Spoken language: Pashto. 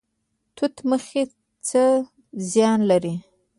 توت مخي څه زیان لري؟